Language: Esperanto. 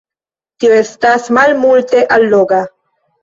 Tio estas malmulte alloga.